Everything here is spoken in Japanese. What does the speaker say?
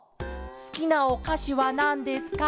すきなおかしはなんですか？